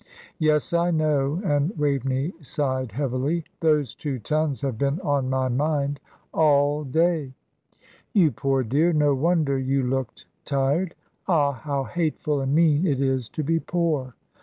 "Yes, I know;" and Waveney sighed heavily. "Those two tons have been on my mind all day." "You poor dear, no wonder you looked tired. Ah, how hateful and mean it is to be poor!